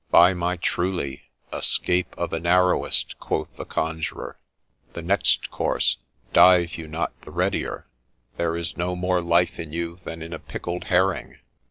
' By my truly, a scape o' the narrowest !' quoth the Conjurer :' the next course, dive you not the readier, there is no more life in you than in a pickled herring.